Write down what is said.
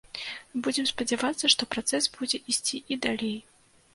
Будзем спадзявацца, што працэс будзе ісці і далей.